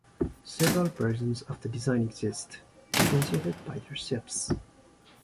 Several versions of the design exist, differentiated by their shapes.